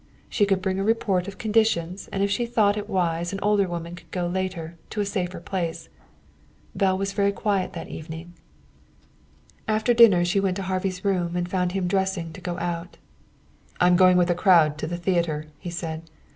She could bring a report of conditions, and if she thought it wise an older woman could go later, to a safer place. Belle was very quiet that evening. After dinner she went to Harvey's room and found him dressing to go out. "I'm going with a crowd to the theater," he said.